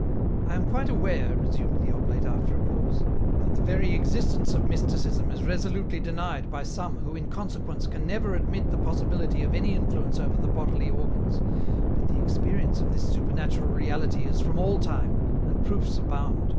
" I am quite aware," resumed the oblate, after a pause, " that the very existence of mysticism is resolutely denied by some who in consequence can never admit the possibility of any influence over the bodily organs, but the experience of this supernatural reality is from all time, and proofs abotmd.